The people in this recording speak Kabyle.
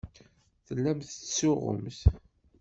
Tellamt tettsuɣumt.